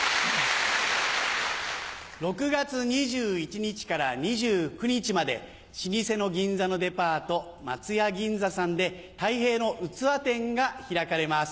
６月２１日から２９日まで老舗の銀座のデパート松屋銀座さんで「たい平の”うつわ”展」が開かれます。